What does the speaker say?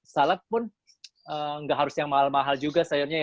salad pun tidak harus yang mahal mahal juga sayurnya